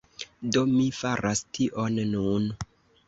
Do, mi faras tion nun